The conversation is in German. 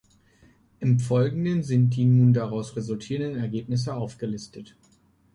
Im Folgenden sind nun die daraus resultierenden Ereignisse aufgelistet.